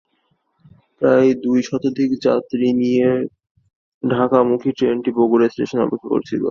প্রায় দুই শতাধিক যাত্রী নিয়ে ঢাকামুখী ট্রেনটি বগুড়া রেলস্টেশনে অপেক্ষা করছিল।